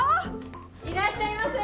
いらっしゃいませ！